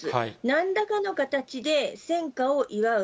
なんらかの形で戦果を祝う。